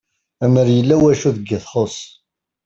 Amer yella wacu deg i txuss